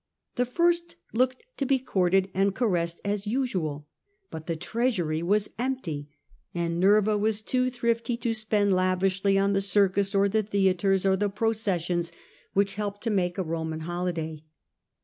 The first looked to be courted and caressed as usual ; but the treasury was empty, and Nerva was too thrifty to spend lavishly on the circus or the theatres or the Nerva. 5 96 98. processions which helped to make a Roman holiday.